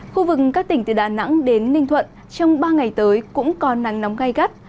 khu vực các tỉnh từ đà nẵng đến ninh thuận trong ba ngày tới cũng có nắng nóng gai gắt